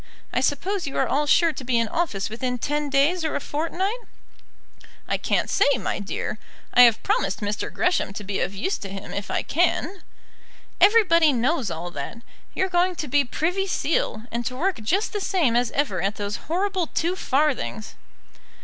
I suppose you are all sure to be in office within ten days or a fortnight?" "I can't say, my dear. I have promised Mr. Gresham to be of use to him if I can." "Everybody knows all that. You're going to be Privy Seal, and to work just the same as ever at those horrible two farthings."